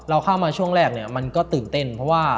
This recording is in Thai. เราเข้ามาช่วงแรกมันก็ตื่นเต้นเพราะว่า